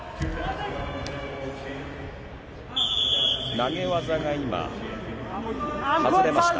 投げ技が今、外れました。